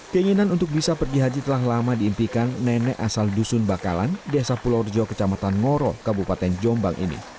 keinginan untuk bisa pergi haji telah lama diimpikan nenek asal dusun bakalan desa pulorjo kecamatan ngoro kabupaten jombang ini